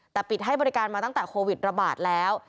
แต่ปิดให้บริการมาตั้งแต่โควิดระบาดแล้ว